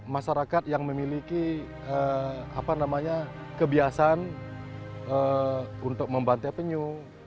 masyarakat yang memiliki kebiasaan untuk membantai penyu